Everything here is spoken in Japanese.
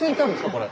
これ。